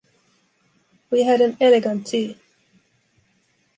We had an elegant tea.